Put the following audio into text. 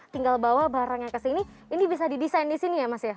tinggal bawa barangnya ke sini ini bisa didesain di sini ya mas ya